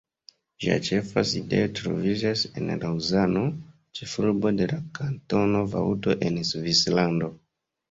Ĝia ĉefa sidejo troviĝas en Laŭzano, ĉefurbo de la Kantono Vaŭdo en Svislando.